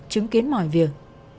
chứng kiến mọi việc